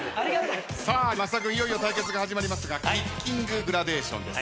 さあ増田君いよいよ対決が始まりますがキッキンググラデーションです。